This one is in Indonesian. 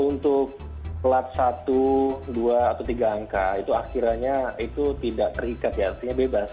untuk plat satu dua atau tiga angka itu akhirnya itu tidak terikat ya artinya bebas